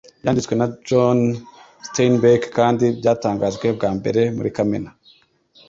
Byanditswe na John Steinbeck kandi Byatangajwe bwa mbere muri kamena